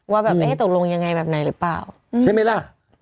ว่าแบบเอ๊ะตกลงยังไงแบบไหนหรือเปล่าใช่ไหมล่ะ